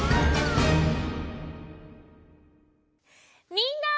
みんな！